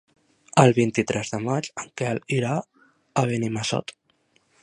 El vint-i-tres de maig en Quel irà a Benimassot.